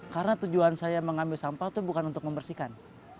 karena tujuan saya mengambil sampah itu bukan untuk membersihkan